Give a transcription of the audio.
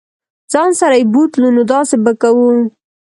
ځان سره یې بوتلو نو داسې به کوو.